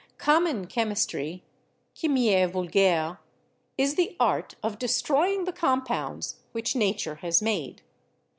"Common chemistry (chimie vul gaire) is the art of destroying the compounds which Nature has made.